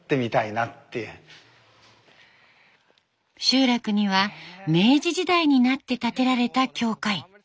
集落には明治時代になって建てられた教会。